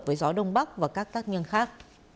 với gió đông bắc và các tác nhân khác